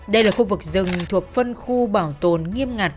đây là khu vực rừng thuộc phân khu bảo tồn nghiêm ngặt